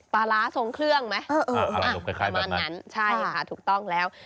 ปลาร้าทรงเครื่องไหมประมาณนั้นใช่ค่ะถูกต้องแล้ว